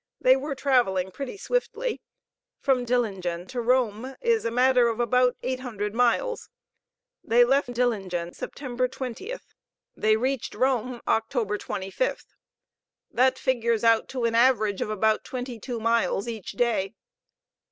They were traveling pretty swiftly. From Dillingen to Rome is a matter of about eight hundred miles. They left Dillingen September 20th; they reached Rome October 25th. That figures out to an average of about twenty two miles each day.